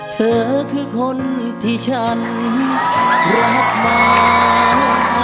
เธอคือคนที่ฉันรักมัน